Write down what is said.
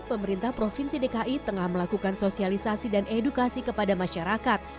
pemerintah provinsi dki tengah melakukan sosialisasi dan edukasi kepada masyarakat